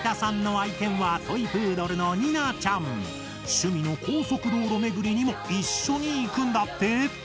趣味の高速道路巡りにも一緒に行くんだって。